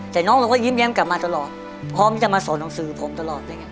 แต่น้องเราก็ยิ้มแย้มกลับมาตลอดเพราะเขาไม่ได้มาสอนหนังสือผมตลอด